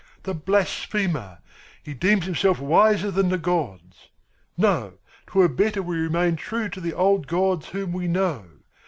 The blasphemer, he deems himself wiser than the gods! No, 'twere better we remain true to the old gods whom we know.